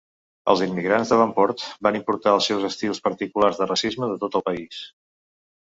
Els immigrants de Vanport van importar els seus estils particulars de racisme de tot el país.